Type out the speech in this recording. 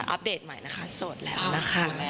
อปเดตใหม่นะคะโสดแล้วนะคะ